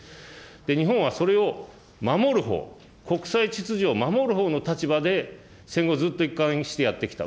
日本はそれを守るほう、国際秩序を守るほうの立場で戦後ずっと一貫してやってきた。